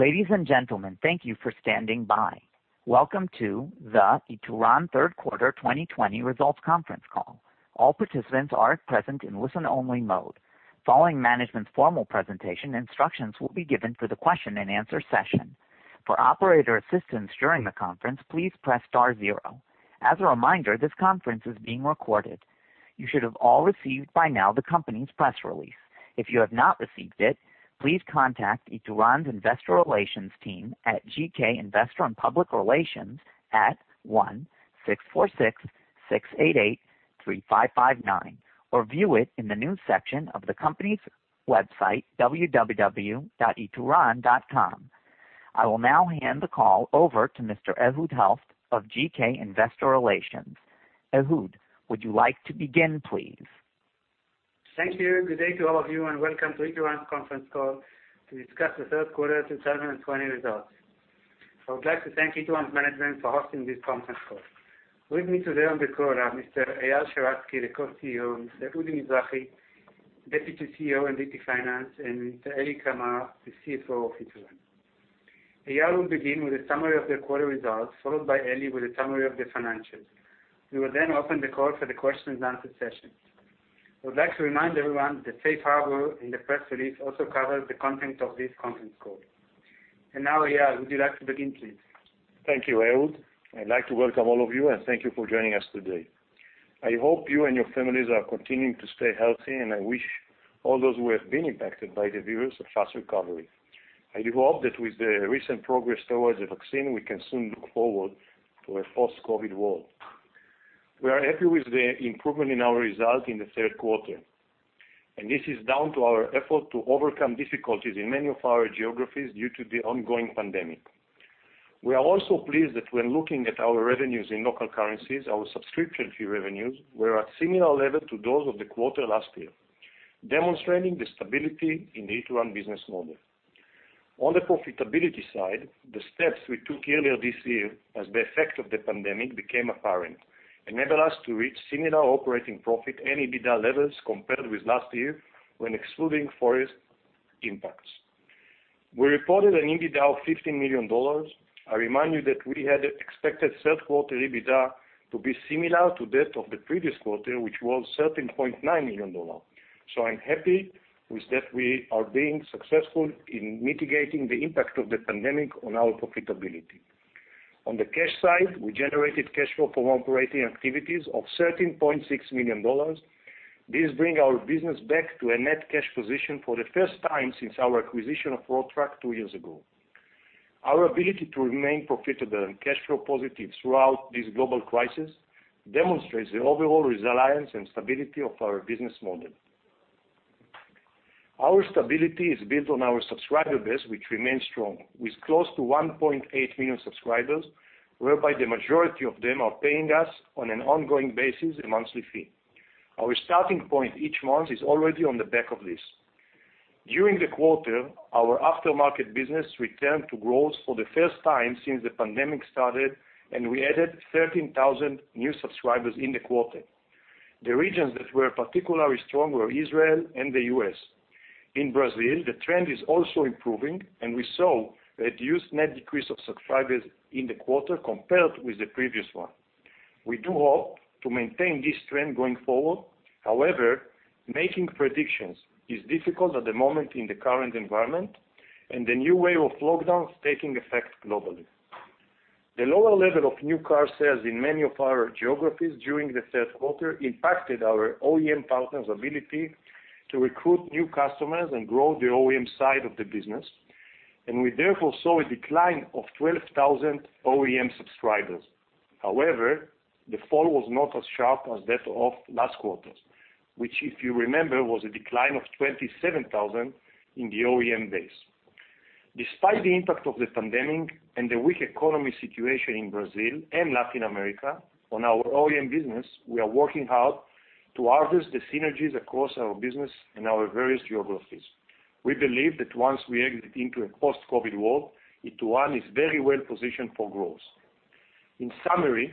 Ladies and gentlemen, thank you for standing by. Welcome to the Ituran third quarter 2020 results conference call. All participants are at present in listen-only mode. Following management's formal presentation, instructions will be given for the question-and-answer session. For operator assistance during the conference, please press star zero. As a reminder, this conference is being recorded. You should have all received by now the company's press release. If you have not received it, please contact Ituran's investor relations team at GK Investor & Public Relations at 1-646-688-3559 or view it in the news section of the company's website, www.ituran.com. I will now hand the call over to Mr. Ehud Helft of GK investor relations. Ehud, would you like to begin, please? Thank you. Good day to all of you, welcome to Ituran's conference call to discuss the third quarter 2020 results. I would like to thank Ituran's management for hosting this conference call. With me today on the call are Mr. Eyal Sheratzky, the Co-Chief Executive Officer, Mr. Udi Mizrahi, Deputy Chief Executive Officer and Deputy Finance, and Mr. Eli Kamer, the Chief Financial Officer of Ituran. Eyal will begin with a summary of the quarter results, followed by Eli with a summary of the financials. We will open the call for the question-and-answer session. I would like to remind everyone that safe harbor in the press release also covers the content of this conference call. Now, Eyal, would you like to begin, please? Thank you, Ehud. I'd like to welcome all of you, and thank you for joining us today. I hope you and your families are continuing to stay healthy, and I wish all those who have been impacted by the virus a fast recovery. I do hope that with the recent progress towards a vaccine, we can soon look forward to a post-COVID world. We are happy with the improvement in our result in the third quarter, and this is down to our effort to overcome difficulties in many of our geographies due to the ongoing pandemic. We are also pleased that when looking at our revenues in local currencies, our subscription fee revenues were at similar level to those of the quarter last year, demonstrating the stability in the Ituran business model. On the profitability side, the steps we took earlier this year as the effect of the pandemic became apparent, enable us to reach similar operating profit and EBITDA levels compared with last year when excluding forex impacts. We reported an EBITDA of $15 million. I remind you that we had expected third quarter EBITDA to be similar to that of the previous quarter, which was $13.9 million. I'm happy with that we are being successful in mitigating the impact of the pandemic on our profitability. On the cash side, we generated cash flow from operating activities of $13.6 million. This bring our business back to a net cash position for the first time since our acquisition of Road Track two years ago. Our ability to remain profitable and cash flow positive throughout this global crisis demonstrates the overall resilience and stability of our business model. Our stability is built on our subscriber base, which remains strong with close to 1.8 million subscribers, whereby the majority of them are paying us on an ongoing basis a monthly fee. Our starting point each month is already on the back of this. During the quarter, our aftermarket business returned to growth for the first time since the pandemic started, and we added 13,000 new subscribers in the quarter. The regions that were particularly strong were Israel and the U.S. In Brazil, the trend is also improving, and we saw a reduced net decrease of subscribers in the quarter compared with the previous one. We do hope to maintain this trend going forward. However, making predictions is difficult at the moment in the current environment and the new wave of lockdowns taking effect globally. The lower level of new car sales in many of our geographies during the third quarter impacted our OEM partners' ability to recruit new customers and grow the OEM side of the business, and we therefore saw a decline of 12,000 OEM subscribers. However, the fall was not as sharp as that of last quarter's, which, if you remember, was a decline of 27,000 in the OEM base. Despite the impact of the pandemic and the weak economy situation in Brazil and Latin America on our OEM business, we are working hard to harvest the synergies across our business and our various geographies. We believe that once we exit into a post-COVID world, Ituran is very well positioned for growth. In summary,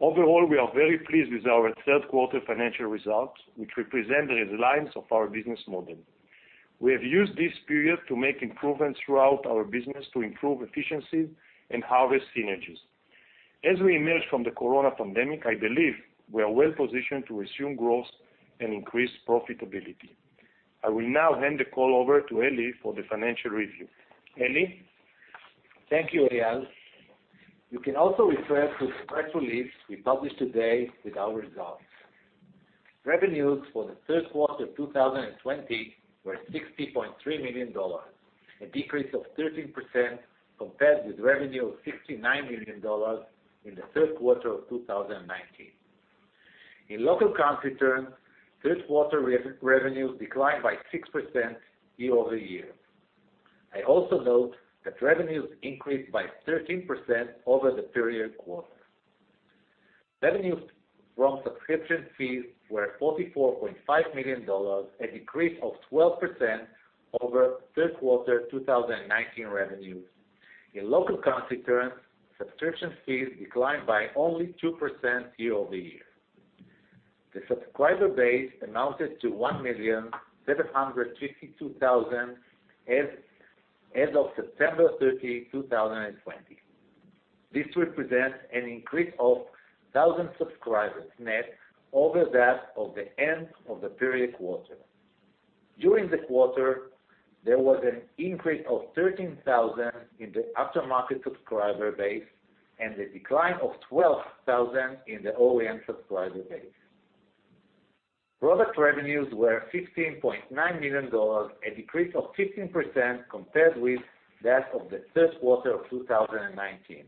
overall, we are very pleased with our third quarter financial results, which represent the resilience of our business model. We have used this period to make improvements throughout our business to improve efficiency and harvest synergies. As we emerge from the corona pandemic, I believe we are well positioned to resume growth and increase profitability. I will now hand the call over to Eli for the financial review. Eli? Thank you, Eyal. You can also refer to the press release we published today with our results. Revenues for the third quarter 2020 were $60.3 million, a decrease of 13% compared with revenue of $69 million in the third quarter of 2019. In local currency terms, third quarter revenues declined by 6% year-over-year. I also note that revenues increased by 13% over the prior quarter. Revenues from subscription fees were $44.5 million, a decrease of 12% over third quarter 2019 revenues. In local currency terms, subscription fees declined by only 2% year-over-year. The subscriber base amounted to 1,752,000 as of September 30, 2020. This represents an increase of 1,000 subscribers net over that of the end of the prior quarter. During the quarter, there was an increase of 13,000 in the aftermarket subscriber base and the decline of 12,000 in the OEM subscriber base. Product revenues were $15.9 million, a decrease of 15% compared with that of the third quarter of 2019.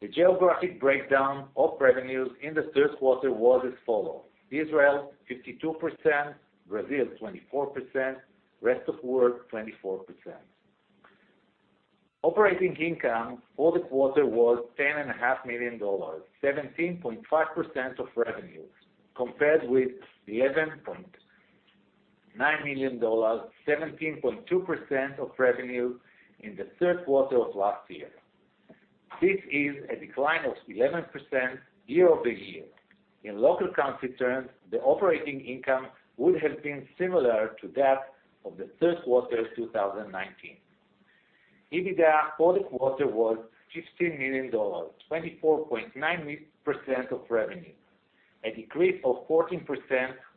The geographic breakdown of revenues in the third quarter was as follows: Israel 52%, Brazil 24%, rest of world 24%. Operating income for the quarter was $10.5 million, 17.5% of revenue, compared with $11.9 million, 17.2% of revenue in the third quarter of last year. This is a decline of 11% year-over-year. In local currency terms, the operating income would have been similar to that of the third quarter of 2019. EBITDA for the quarter was $15 million, 24.9% of revenue, a decrease of 14%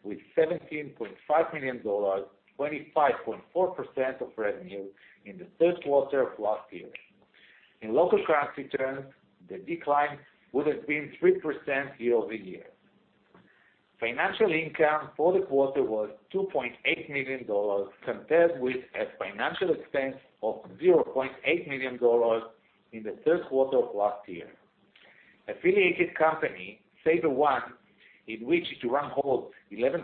with $17.5 million, 25.4% of revenue in the third quarter of last year. In local currency terms, the decline would have been 3% year-over-year. Financial income for the quarter was $2.8 million, compared with a financial expense of $0.8 million in the third quarter of last year. Affiliated company, SaverOne, in which Ituran holds 11%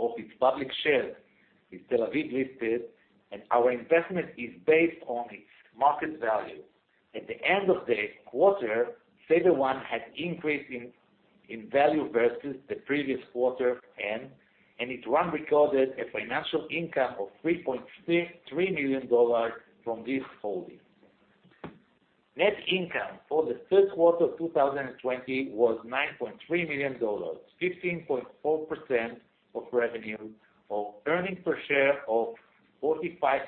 of its public shares, is Tel Aviv-listed. Our investment is based on its market value. At the end of the quarter, SaverOne had increase in value versus the previous quarter. Ituran recorded a financial income of $3.3 million from this holding. Net income for the third quarter of 2020 was $9.3 million, 15.4% of revenue, or earnings per share of $0.45,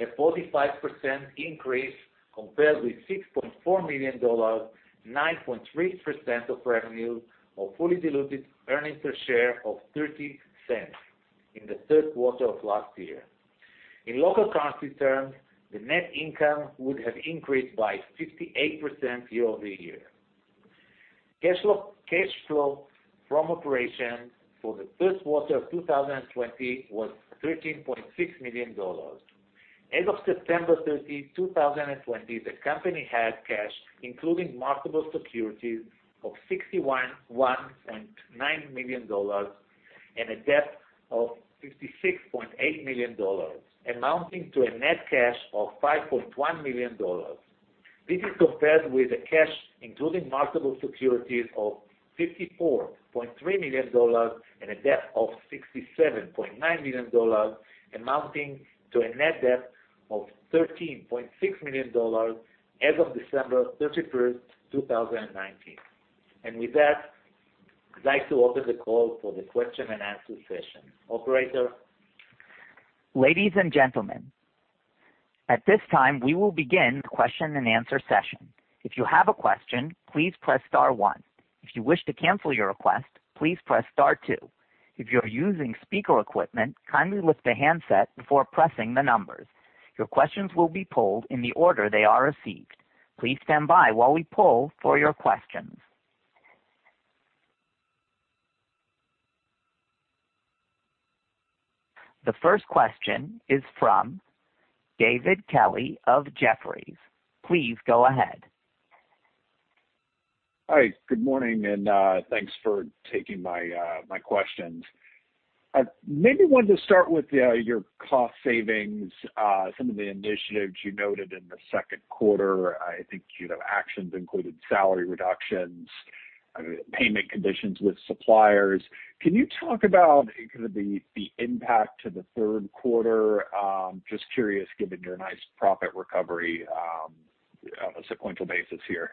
a 45% increase compared with $6.4 million, 9.3% of revenue, or fully diluted earnings per share of $0.13 in the third quarter of last year. In local currency terms, the net income would have increased by 58% year-over-year. Cash flow from operations for the first quarter of 2020 was $13.6 million. As of September 30, 2020, the company had cash, including marketable securities, of $61.9 million and a debt of $56.8 million, amounting to a net cash of $5.1 million. This is compared with a cash, including marketable securities, of $54.3 million and a debt of $67.9 million, amounting to a net debt of $13.6 million as of December 31st, 2019. With that, I'd like to open the call for the question-and-answer session. Operator? Ladies and gentlemen, at this time we will begin the question-and-answer session. If you have a question please press star one, if you wish to cancel your request please press star two. If you are using speaker equipment kindly lift the handset before pressing the numbers. Your questions will be pulled in the order they are received. Please stand by while we pull the questions. The first question is from David Kelley of Jefferies. Please go ahead. Hi. Good morning, and thanks for taking my questions. Maybe wanted to start with your cost savings, some of the initiatives you noted in the second quarter. I think actions included salary reductions, payment conditions with suppliers. Can you talk about kind of the impact to the third quarter? Just curious, given your nice profit recovery on a sequential basis here.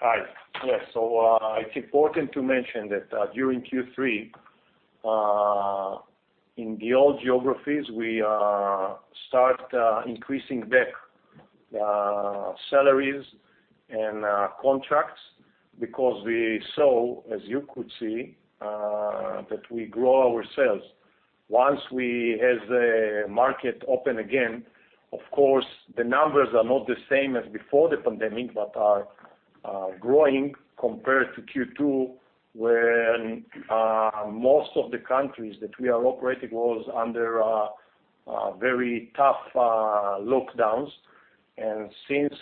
Hi. Yes. It's important to mention that during Q3, in the old geographies, we start increasing back salaries and contracts because we saw, as you could see, that we grow our sales. Once we has a market open again, of course, the numbers are not the same as before the pandemic, but are growing compared to Q2, when most of the countries that we are operating was under very tough lockdowns. Since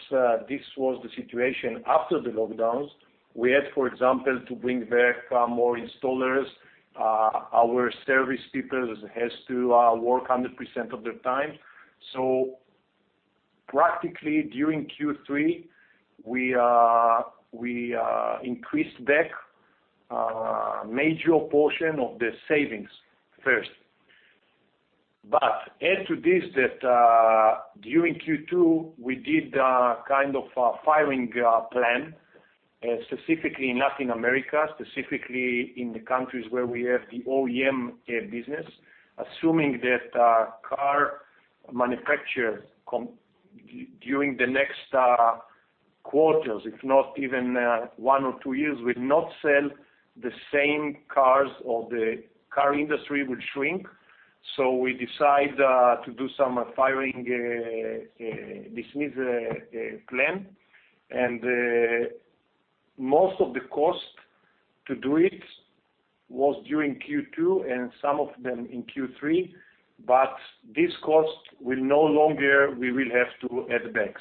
this was the situation after the lockdowns, we had, for example, to bring back more installers. Our service people has to work 100% of their time. Practically, during Q3, we increased back a major portion of the savings first. Add to this that during Q2, we did a kind of firing plan, specifically in Latin America, specifically in the countries where we have the OEM business, assuming that car manufacturers, during the next quarters, if not even one or two years, will not sell the same cars or the car industry will shrink. We decide to do some firing, dismiss plan. Most of the cost to do it was during Q2 and some of them in Q3, but this cost will no longer, we will have to add back.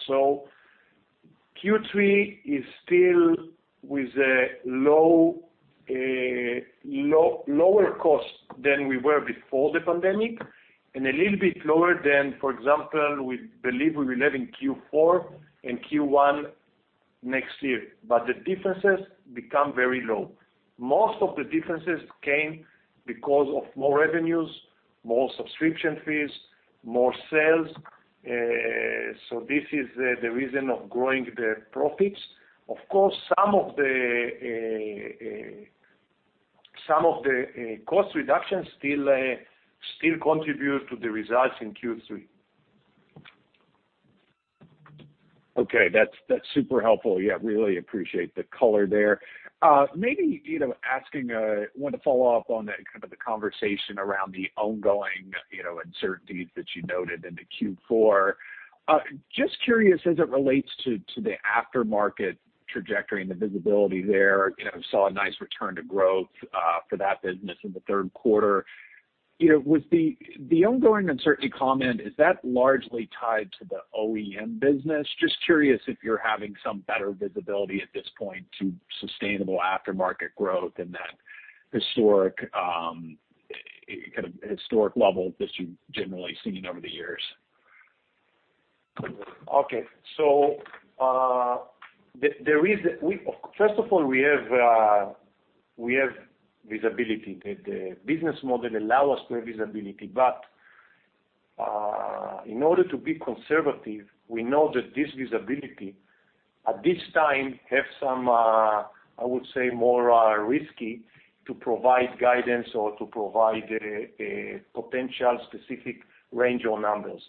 Q3 is still with a lower cost than we were before the pandemic and a little bit lower than, for example, we believe we will have in Q4 and Q1 next year. The differences become very low. Most of the differences came because of more revenues, more subscription fees, more sales. This is the reason of growing the profits. Of course, some of the cost reductions still contribute to the results in Q3. Okay. That's super helpful. Yeah, really appreciate the color there. Maybe, want to follow up on that kind of the conversation around the ongoing uncertainties that you noted into Q4. Just curious as it relates to the aftermarket trajectory and the visibility there, kind of saw a nice return to growth for that business in the third quarter. With the ongoing uncertainty comment, is that largely tied to the OEM business? Just curious if you're having some better visibility at this point to sustainable aftermarket growth and that historic level that you've generally seen over the years. Okay. First of all, we have visibility. The business model allow us to have visibility, but in order to be conservative, we know that this visibility at this time have some, I would say, more risky to provide guidance or to provide a potential specific range or numbers.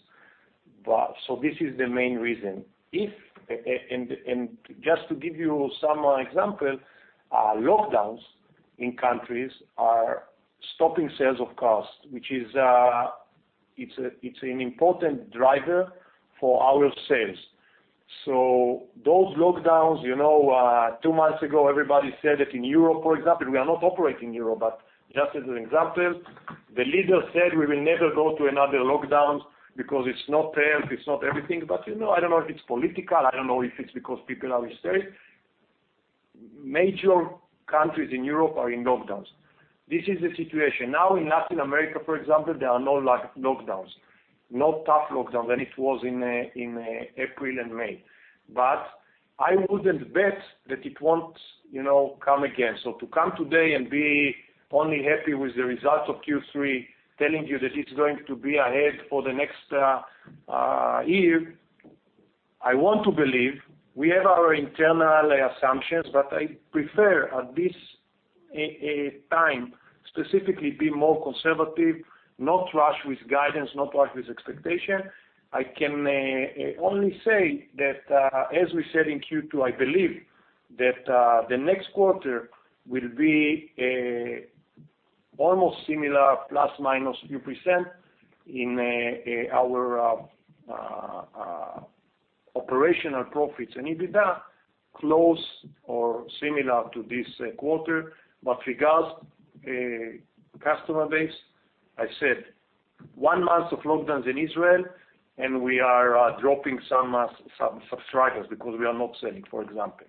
This is the main reason. Just to give you some example, lockdowns in countries are stopping sales of cars, which it's an important driver for our sales. Those lockdowns, two months ago, everybody said that in Europe, for example, we are not operating in Europe, but just as an example, the leader said we will never go to another lockdown because it's not health, it's not everything. I don't know if it's political, I don't know if it's because people are afraid. Major countries in Europe are in lockdowns. This is the situation. In Latin America, for example, there are no lockdowns, no tough lockdowns than it was in April and May. I wouldn't bet that it won't come again. To come today and be only happy with the results of Q3, telling you that it's going to be ahead for the next year, I want to believe. We have our internal assumptions, but I prefer at this time, specifically be more conservative, not rush with guidance, not rush with expectation. I can only say that, as we said in Q2, I believe that the next quarter will be almost similar, plus, minus a few percent in our operational profits and EBITDA close or similar to this quarter. Regards customer base, I said one month of lockdowns in Israel, and we are dropping some subscribers because we are not selling, for example.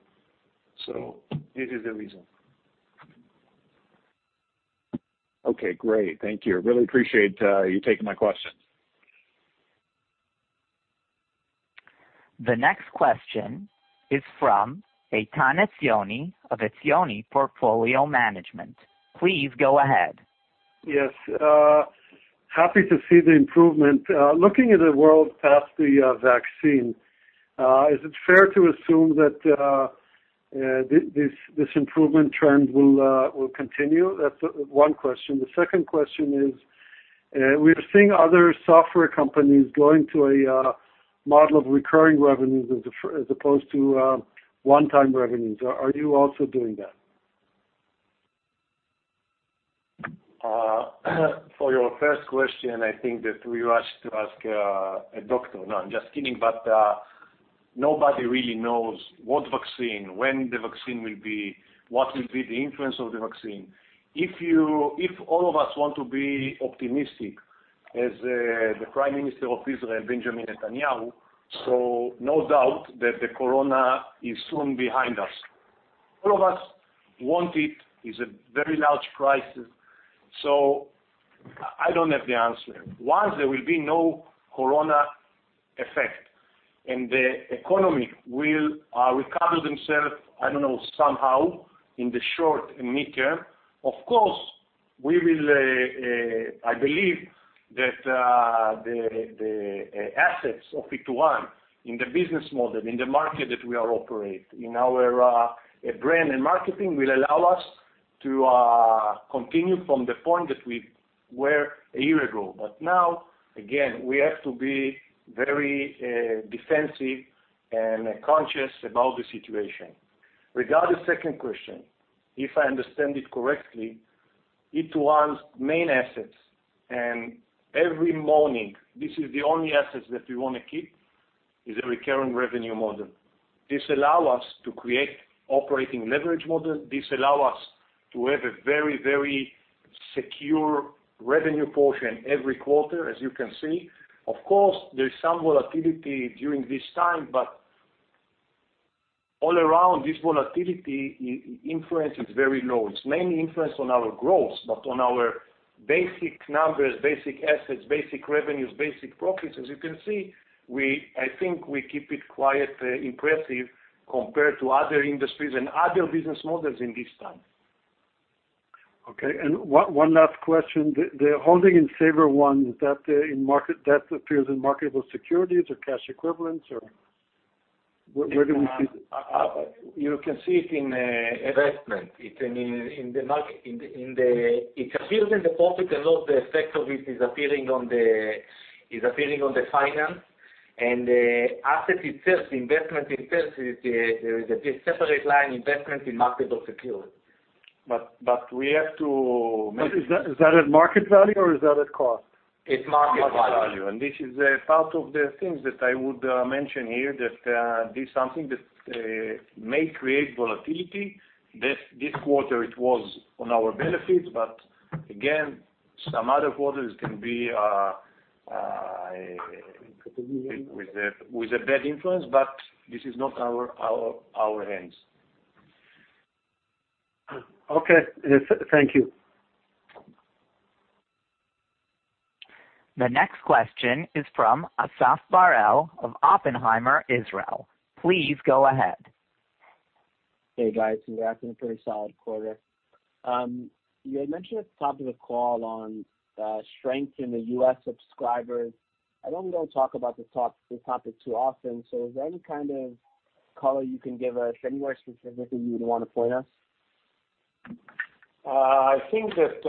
This is the reason. Okay, great. Thank you. Really appreciate you taking my questions. The next question is from Eitan Etzioni of Etzioni Portfolio Management. Please go ahead. Yes. Happy to see the improvement. Looking at the world past the vaccine, is it fair to assume that this improvement trend will continue? That's one question. The second question is, we're seeing other software companies going to a model of recurring revenues as opposed to one-time revenues. Are you also doing that? For your first question, I think that you have to ask a doctor. No, I'm just kidding. Nobody really knows what vaccine, when the vaccine will be, what will be the influence of the vaccine. If all of us want to be optimistic as the Prime Minister of Israel, Benjamin Netanyahu, so no doubt that the corona is soon behind us. All of us want it. It's a very large crisis, so I don't have the answer. Once there will be no corona effect. The economy will recover themselves, I don't know, somehow in the short and midterm. Of course, I believe that the assets of Ituran in the business model, in the market that we operate, in our brand and marketing, will allow us to continue from the point that we were a year ago. Now, again, we have to be very defensive and conscious about the situation. Regarding second question, if I understand it correctly, Ituran's main assets, and every morning, this is the only assets that we want to keep, is a recurring revenue model. This allow us to create operating leverage model. This allow us to have a very secure revenue portion every quarter, as you can see. Of course, there's some volatility during this time, all around, this volatility influence is very low. It's mainly influence on our growth, on our basic numbers, basic assets, basic revenues, basic profits, as you can see, I think we keep it quite impressive compared to other industries and other business models in this time. Okay, one last question, the holding in SaverOne, that appears in marketable securities or cash equivalents, or where do we see this? You can see it in investment. It appears in the profit and loss. The effect of it is appearing on the finance, and the asset itself, the investment itself, there is a separate line investment in marketable security. Is that at market value or is that at cost? It's market value. Market value. This is part of the things that I would mention here, that this is something that may create volatility, that this quarter it was on our benefits. Again, some other quarters can be with a bad influence, but this is not in our hands. Okay. Thank you. The next question is from Asaf Barel of Oppenheimer Israel. Please go ahead. Hey, guys. Congrats on a pretty solid quarter. You had mentioned at the top of the call on strength in the U.S. subscribers. I know we don't talk about this topic too often, is there any kind of color you can give us? Any more specificity you would want to point us? I think that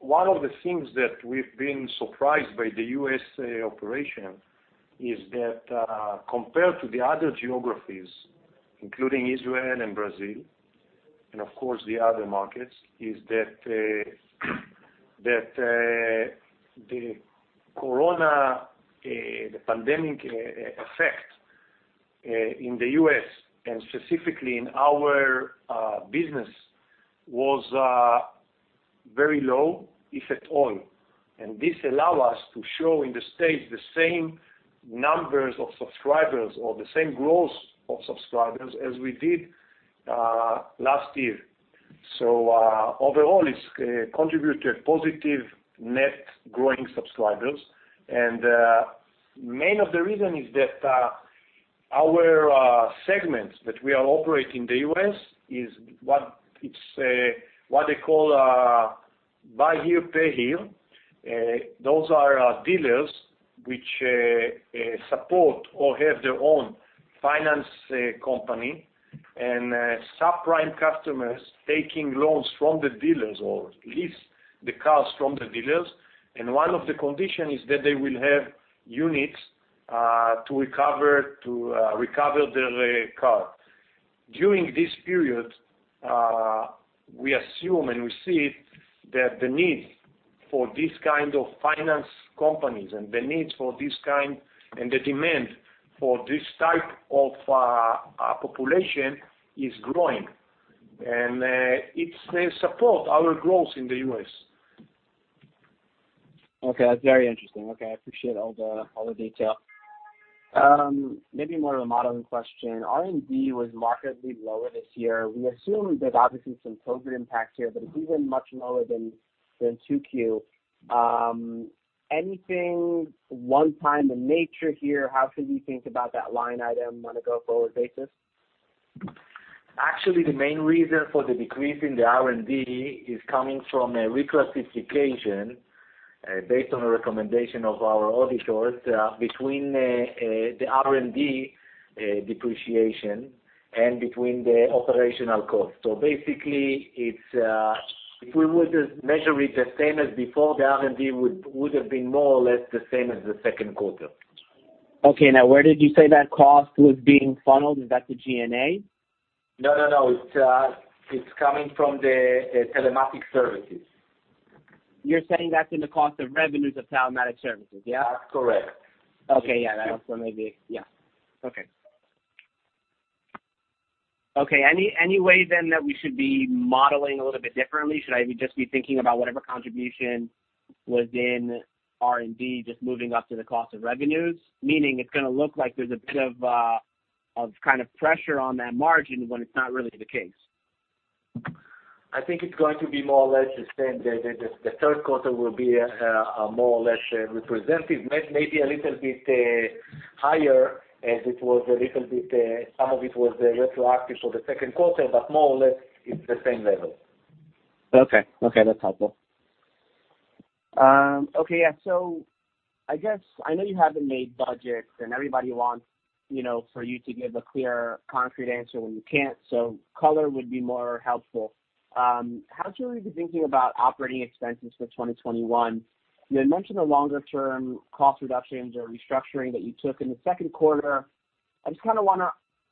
one of the things that we've been surprised by the U.S. operation is that compared to the other geographies, including Israel and Brazil, and of course, the other markets, is that the corona, the pandemic effect, in the U.S. and specifically in our business, was very low, if at all. This allow us to show in the U.S. the same numbers of subscribers or the same growth of subscribers as we did last year. Overall, it's contributed positive net growing subscribers, and main of the reason is that our segments that we operate in the U.S., it's what they call a buy here, pay here. Those are dealers which support or have their own finance company, and subprime customers taking loans from the dealers or lease the cars from the dealers. One of the conditions is that they will have units to recover their car. During this period, we assume and we see that the need for this kind of finance companies and the demand for this type of population is growing, and it supports our growth in the U.S. Okay. That's very interesting. Okay, I appreciate all the detail. Maybe more of a modeling question. R&D was markedly lower this year. We assume there's obviously some COVID impact here. It's even much lower than 2Q. Anything one time in nature here? How should we think about that line item on a go-forward basis? Actually, the main reason for the decrease in the R&D is coming from a reclassification, based on a recommendation of our auditors, between the R&D depreciation and between the operational cost. Basically, if we would just measure it the same as before, the R&D would have been more or less the same as the second quarter. Okay. Now, where did you say that cost was being funneled? Is that the G&A? No, it's coming from the telematics services. You're saying that's in the cost of revenues of telematics services, yeah? That's correct. Okay. Yeah. Okay. Any way that we should be modeling a little bit differently? Should I just be thinking about whatever contribution was in R&D, just moving up to the cost of revenues? Meaning it's going to look like there's a bit of pressure on that margin when it's not really the case. I think it's going to be more or less the same. The third quarter will be more or less representative, maybe a little bit higher as some of it was retroactive for the second quarter, but more or less, it's the same level. Okay. That's helpful. I guess, I know you haven't made budgets and everybody wants for you to give a clear, concrete answer when you can't, color would be more helpful. How should we be thinking about operating expenses for 2021? You had mentioned the longer-term cost reductions or restructuring that you took in the second quarter. I just kind of want to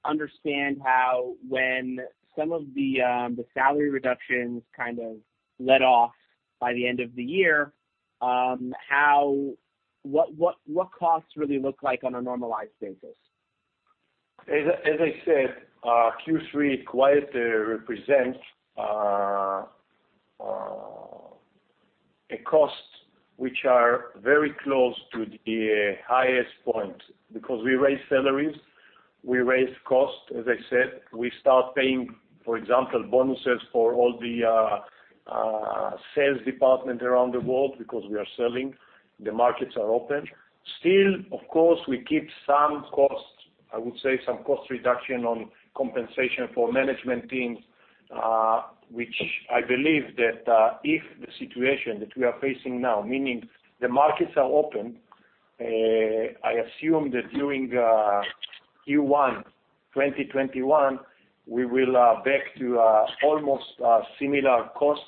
understand how, when some of the salary reductions kind of let off by the end of the year, what costs really look like on a normalized basis. As I said, Q3 quite represents a cost, which are very close to the highest point because we raised salaries, we raised costs, as I said, we start paying, for example, bonuses for all the sales department around the world because we are selling, the markets are open. Still, of course, we keep some costs, I would say some cost reduction on compensation for management teams, which I believe that, if the situation that we are facing now, meaning the markets are open, I assume that during Q1 2021, we will be back to almost similar cost,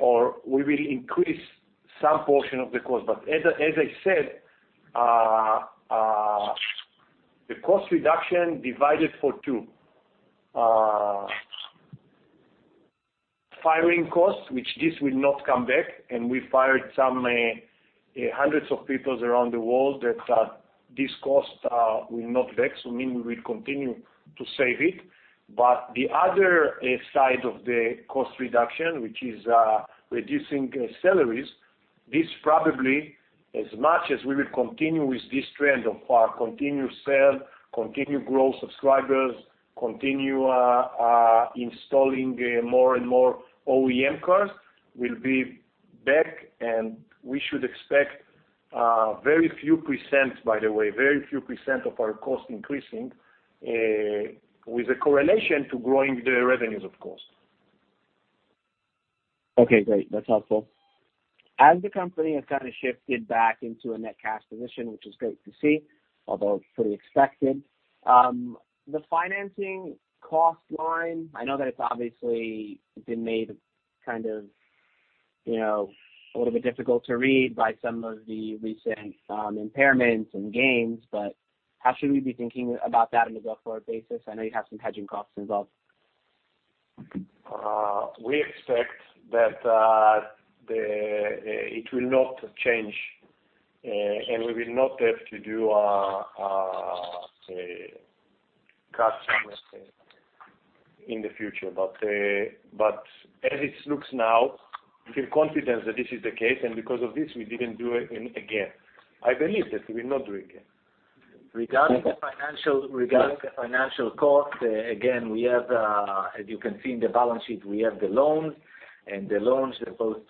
or we will increase some portion of the cost. As I said, the cost reduction divided for two. Firing costs, which this will not come back, and we fired some hundreds of people around the world that, this cost will not come back, meaning we will continue to save it. The other side of the cost reduction, which is reducing salaries, this probably, as much as we will continue with this trend of our continued sales, continued growth subscribers, continue installing more and more OEM cars, will be back, and we should expect very few percent, by the way, very few percent of our cost increasing, with a correlation to growing the revenues, of course. Okay, great. That's helpful. As the company has kind of shifted back into a net cash position, which is great to see, although pretty expected. The financing cost line, I know that it's obviously been made kind of a little bit difficult to read by some of the recent impairments and gains, how should we be thinking about that on a go-forward basis? I know you have some hedging costs involved. We expect that it will not change, and we will not have to do a cut somewhere in the future. As it looks now, we feel confident that this is the case, and because of this, we didn't do it again. I believe that we'll not do it again. Regarding the financial cost, again, as you can see in the balance sheet, we have the loans, and the loans,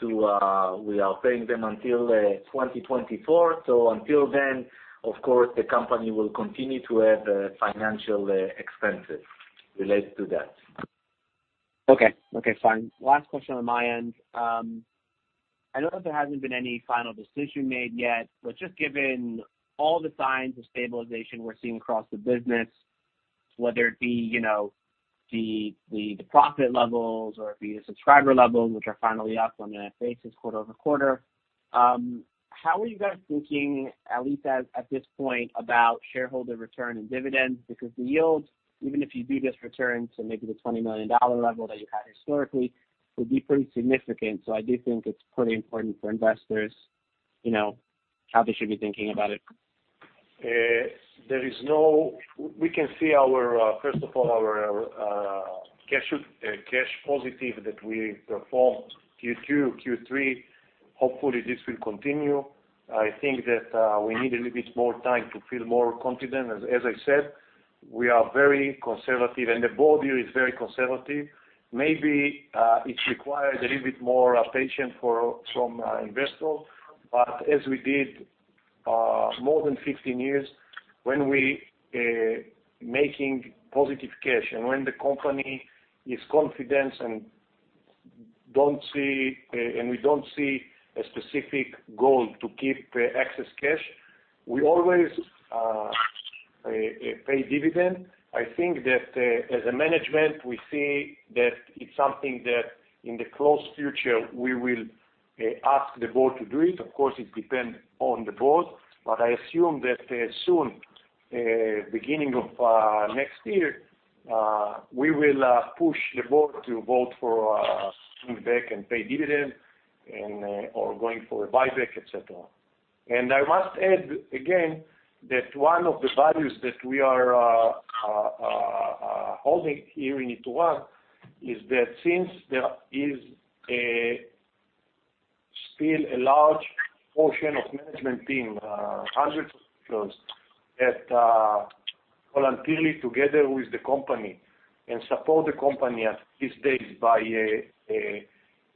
we are paying them until 2024. Until then, of course, the company will continue to have financial expenses related to that. Okay, fine. Last question on my end. I know that there hasn't been any final decision made yet, just given all the signs of stabilization we're seeing across the business, whether it be the profit levels or it be the subscriber levels, which are finally up on a net basis quarter-over-quarter, how are you guys thinking, at least at this point, about shareholder return and dividends? The yield, even if you do just return to maybe the $20 million level that you had historically, would be pretty significant. I do think it's pretty important for investors, how they should be thinking about it. We can see, first of all, our cash positive that we performed Q2, Q3. Hopefully, this will continue. I think that we need a little bit more time to feel more confident. As I said, we are very conservative, and the board here is very conservative. Maybe it requires a little bit more patience from investors. As we did more than 15 years, when we making positive cash and when the company is confident and we don't see a specific goal to keep excess cash, we always pay dividend. I think that as a management, we see that it's something that, in the close future, we will ask the board to do it. Of course, it depends on the board. I assume that soon, beginning of next year, we will push the board to vote for coming back and pay dividend or going for a buyback, et cetera. I must add again that one of the values that we are holding here in Ituran is that since there is still a large portion of management team, hundreds of people that voluntarily together with the company and support the company at this stage by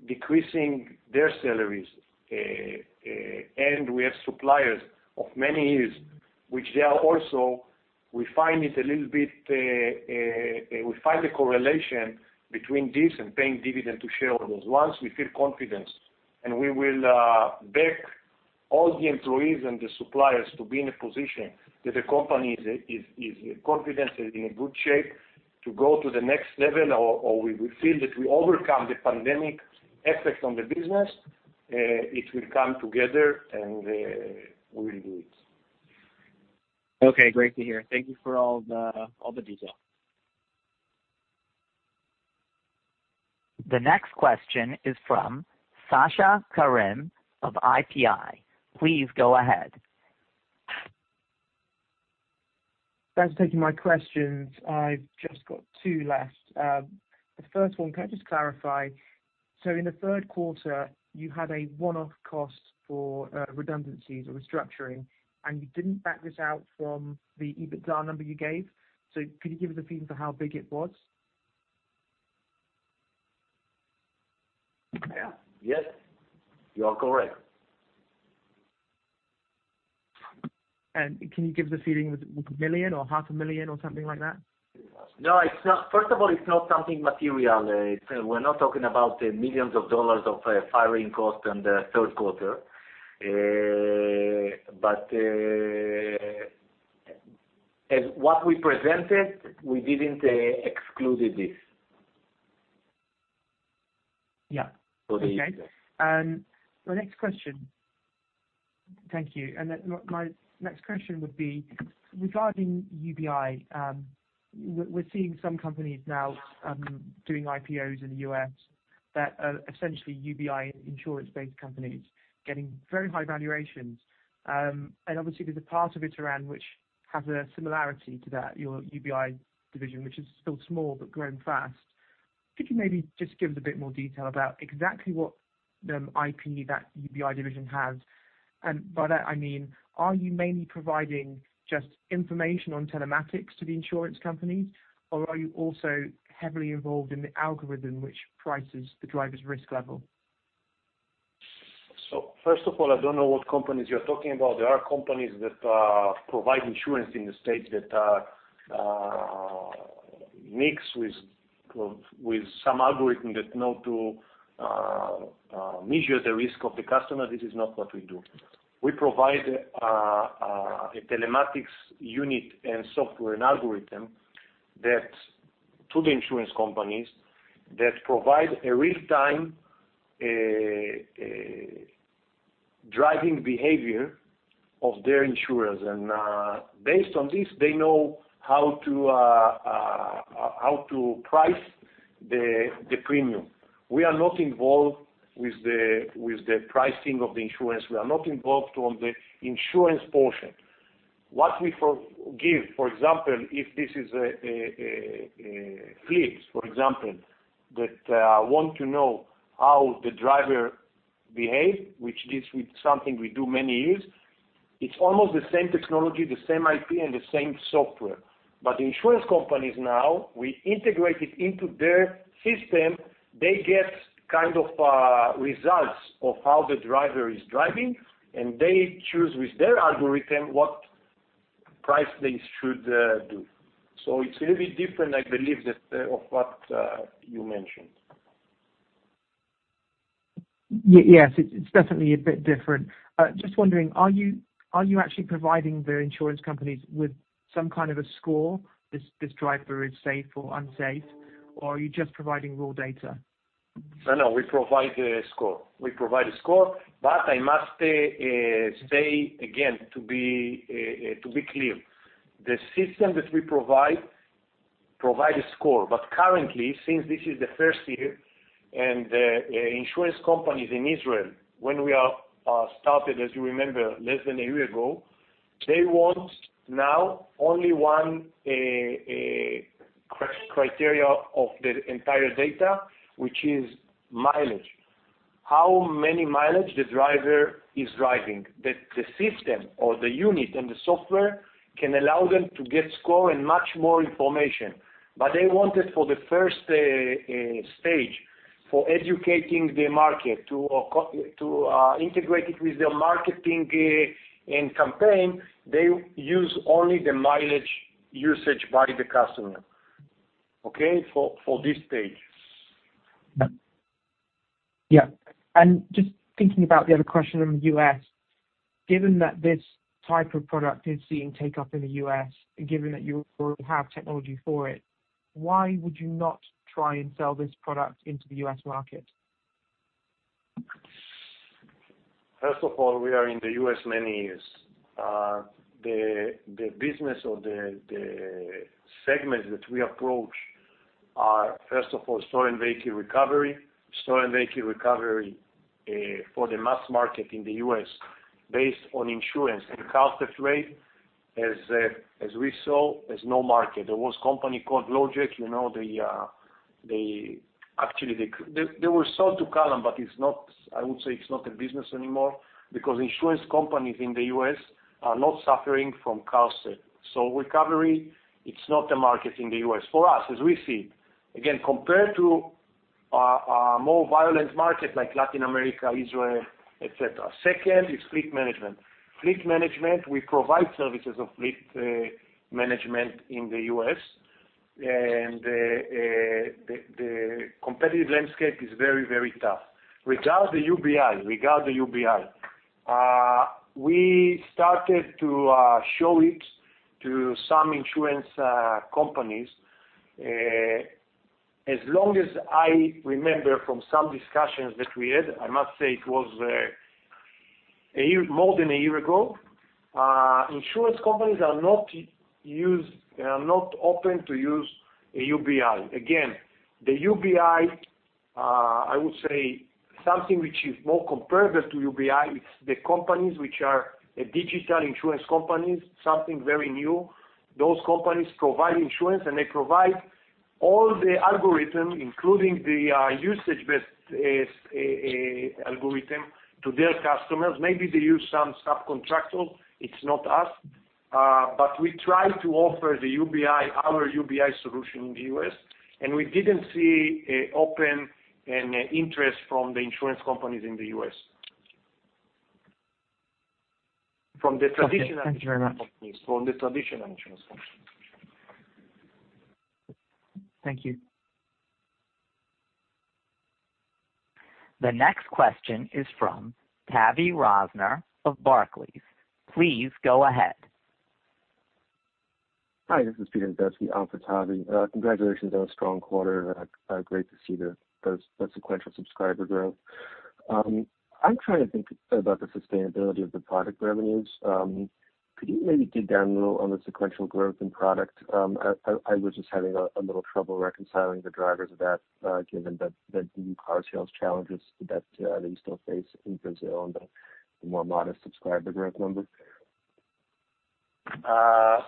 decreasing their salaries. We have suppliers of many years, which they are also, we find the correlation between this and paying dividend to shareholders. Once we feel confidence, we will back all the employees and the suppliers to be in a position that the company is confident and in good shape to go to the next level, or we feel that we overcome the pandemic effect on the business, it will come together and we will do it. Okay. Great to hear. Thank you for all the details. The next question is from Sasha Karim of IPI. Please go ahead. Thanks for taking my questions. I've just got two left. The first one, can I just clarify, so in the third quarter, you had a one-off cost for redundancies or restructuring, and you didn't back this out from the EBITDA number you gave. Could you give us a feeling for how big it was? Yeah. Yes, you are correct. Can you give us a feeling, was it like 1 million or 500,000 or something like that? No. First of all, it's not something material. We're not talking about millions of dollars of firing cost in the third quarter. As what we presented, we didn't exclude this. Yeah. Okay. So the- My next question. Thank you. My next question would be regarding UBI. We're seeing some companies now doing IPOs in the U.S. that are essentially UBI insurance-based companies getting very high valuations. Obviously, there's a part of Ituran which has a similarity to that, your UBI division, which is still small, but growing fast. Could you maybe just give us a bit more detail about exactly what IP that UBI division has? By that, I mean, are you mainly providing just information on telematics to the insurance companies, or are you also heavily involved in the algorithm which prices the driver's risk level? First of all, I don't know what companies you're talking about. There are companies that provide insurance in the States that mix with some algorithm that know to measure the risk of the customer. This is not what we do. We provide a telematics unit and software and algorithm to the insurance companies that provide a real-time driving behavior of their insurers. Based on this, they know how to price the premium. We are not involved with the pricing of the insurance. We are not involved on the insurance portion. What we give, for example, if this is a fleet, for example, that want to know how the driver behave, which this something we do many years, it's almost the same technology, the same IP, and the same software. Insurance companies now, we integrate it into their system. They get kind of results of how the driver is driving, and they choose with their algorithm what price they should do. It's a little bit different, I believe, of what you mentioned. Yes. It's definitely a bit different. Just wondering, are you actually providing the insurance companies with some kind of a score, this driver is safe or unsafe, or are you just providing raw data? No, we provide a score. We provide a score. I must say again, to be clear, the system that we provide a score. Currently, since this is the first year, and insurance companies in Israel, when we started, as you remember, less than a year ago, they want now only one criteria of the entire data, which is mileage. How many mileage the driver is driving, that the system or the unit and the software can allow them to get score and much more information. They wanted for the first stage for educating the market to integrate it with their marketing and campaign, they use only the mileage usage by the customer, okay, for this stage. Yeah. Just thinking about the other question on the U.S., given that this type of product is seeing take-up in the U.S., and given that you already have technology for it, why would you not try and sell this product into the U.S. market? First of all, we are in the U.S. many years. The business or the segment that we approach are, first of all, stolen vehicle recovery. Stolen vehicle recovery for the mass market in the U.S. based on insurance and cost rate. As we saw, there's no market. There was a company called LoJack, actually, they were sold to CalAmp, but I would say it's not a business anymore because insurance companies in the U.S. are not suffering from car theft. Recovery, it's not a market in the U.S. for us, as we see, again, compared to a more violent market like Latin America, Israel, et cetera. Second is fleet management. Fleet management, we provide services of fleet management in the U.S., and the competitive landscape is very tough. Regarding UBI, we started to show it to some insurance companies. As long as I remember from some discussions that we had, I must say it was more than a year ago, insurance companies are not open to use a UBI. The UBI, I would say something which is more comparative to UBI, it's the companies which are digital insurance companies, something very new. Those companies provide insurance, and they provide all the algorithm, including the usage-based algorithm, to their customers. Maybe they use some subcontractor. It's not us. We try to offer our UBI solution in the U.S., and we didn't see an open interest from the insurance companies in the U.S. Okay. Thank you very much. From the traditional insurance companies. Thank you. The next question is from Tavy Rosner of Barclays. Please go ahead. Hi, this is Peter Zdebski, on for Tavy. Congratulations on a strong quarter. Great to see the sequential subscriber growth. I'm trying to think about the sustainability of the product revenues. Could you maybe dig down a little on the sequential growth in product? I was just having a little trouble reconciling the drivers of that, given the new car sales challenges that you still face in Brazil and the more modest subscriber growth numbers.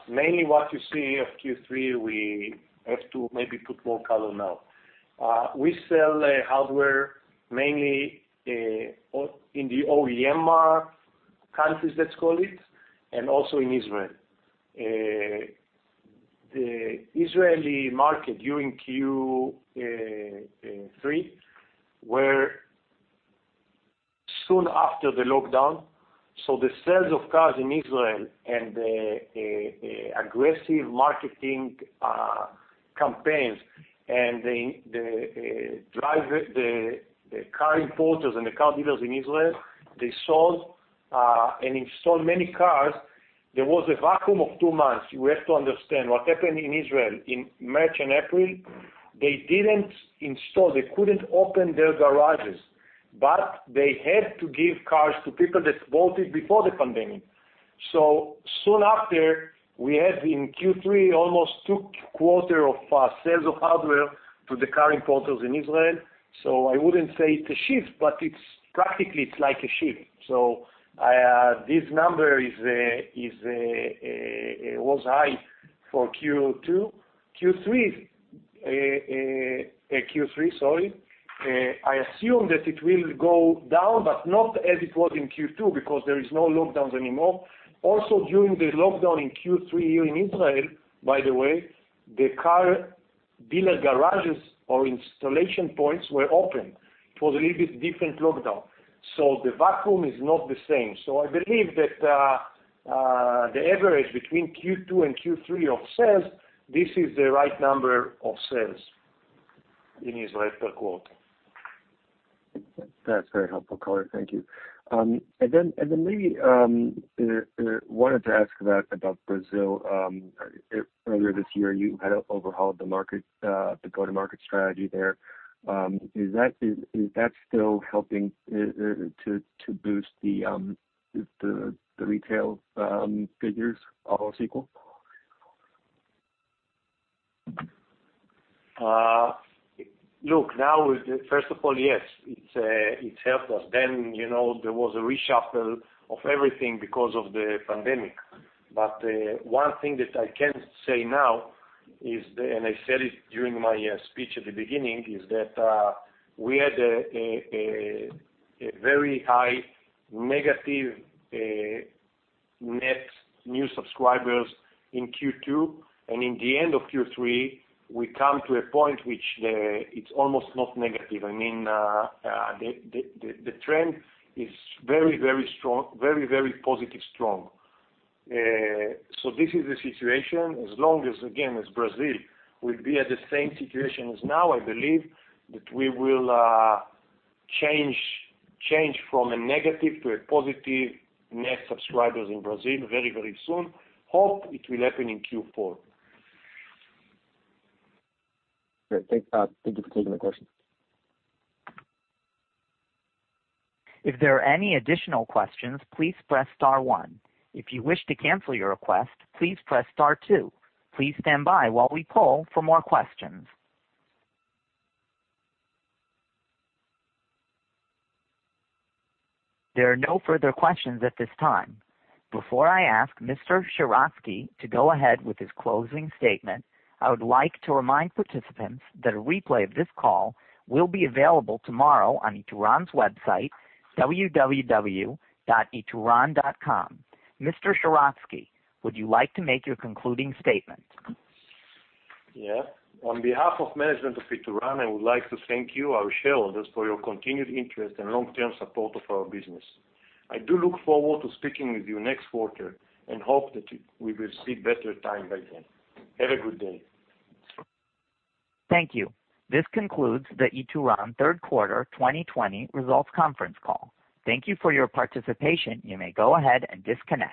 Mainly what you see of Q3, we have to maybe put more color now. We sell hardware mainly in the OEM countries, let's call it, and also in Israel. The Israeli market during Q3 were soon after the lockdown, so the sales of cars in Israel and the aggressive marketing campaigns and the car importers and the car dealers in Israel, they sold and installed many cars. There was a vacuum of two months. You have to understand what happened in Israel in March and April, they didn't install, they couldn't open their garages. They had to give cars to people that bought it before the pandemic. Soon after, we had in Q3 almost two quarter of sales of hardware to the car importers in Israel. I wouldn't say it's a shift, but practically it's like a shift. This number was high for Q2. Q3, I assume that it will go down, but not as it was in Q2 because there is no lockdowns anymore. Also during the lockdown in Q3 here in Israel, by the way, the car dealer garages or installation points were open. It was a little bit different lockdown. The vacuum is not the same. I believe that the average between Q2 and Q3 of sales, this is the right number of sales in Israel per quarter. That's very helpful color. Thank you. Maybe wanted to ask about Brazil. Earlier this year, you had overhauled the go-to-market strategy there. Is that still helping to boost the retail figures overall? Look, now, first of all, yes, it helped us then. There was a reshuffle of everything because of the pandemic. One thing that I can say now is, and I said it during my speech at the beginning, is that we had a very high negative net new subscribers in Q2, and in the end of Q3, we come to a point which it's almost not negative. The trend is very positive strong. This is the situation as long as, again, as Brazil will be at the same situation as now, I believe that we will change from a negative to a positive net subscribers in Brazil very soon. Hope it will happen in Q4. Great. Thank you for taking the question. If there are any additional questions please press star one. If you wish to cancel your request please press star two. Please stand by while we pull for more questions. There are no more further questions at this time. Before I ask Mr. Sheratzky to go ahead with his closing statement, I would like to remind participants that a replay of this call will be available tomorrow on Ituran's website, www.ituran.com. Mr. Sheratzky, would you like to make your concluding statement? Yes. On behalf of management of Ituran, I would like to thank you, our shareholders, for your continued interest and long-term support of our business. I do look forward to speaking with you next quarter and hope that we will see better times by then. Have a good day. Thank you. This concludes the Ituran third quarter 2020 results conference call. Thank you for your participation. You may go ahead and disconnect.